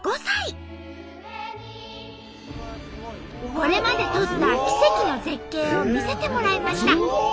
これまで撮った奇跡の絶景を見せてもらいました。